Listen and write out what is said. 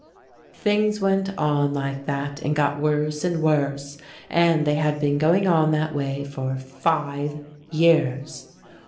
Things went on like that and got worse and worse, and they had been going on that way for five years.